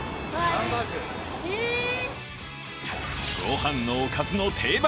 ご飯のおかずの定番